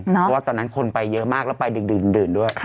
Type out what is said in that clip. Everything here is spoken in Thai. เพราะว่าตอนนั้นคนไปเยอะมากแล้วไปดึกด้วย